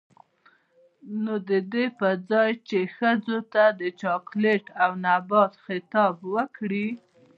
نـو د دې پـر ځـاى چـې ښـځـو تـه د چـاکـليـت او نـبـات خـطاب وکـړي.